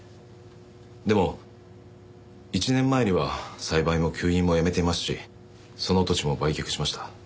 でも１年前には栽培も吸引もやめていますしその土地も売却しました。